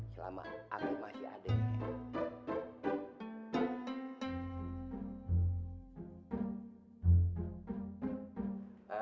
selama aki masih ada